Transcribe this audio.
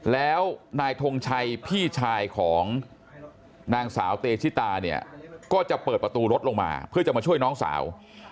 แล้วนายทงชัยพี่ชายของนางสาวเตชิตาเนี่ยก็จะเปิดประตูรถลงมาเพื่อจะมาช่วยน้องสาว